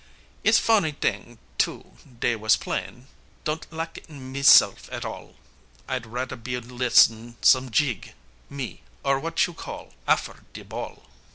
It's fonny t'ing too dey was playin' don't lak it mese'f at all, I rader be lissen some jeeg, me, or w'at you call "Affer de ball."